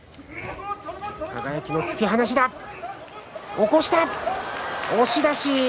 起こしました、押し出し。